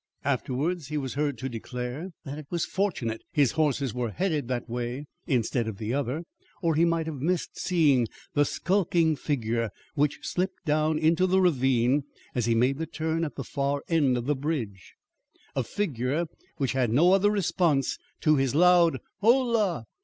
Afterwards he was heard to declare that it was fortunate his horses were headed that way instead of the other, or he might have missed seeing the skulking figure which slipped down into the ravine as he made the turn at the far end of the bridge a figure which had no other response to his loud 'Hola!'